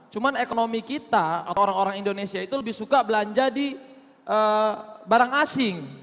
cuma ekonomi kita atau orang orang indonesia itu lebih suka belanja di barang asing